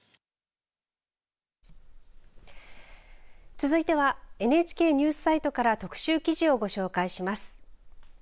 続いてはＮＨＫニュースサイトから特集記事をご紹介します。